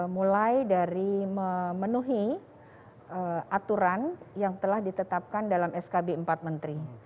mulai dari memenuhi aturan yang telah ditetapkan dalam skb empat menteri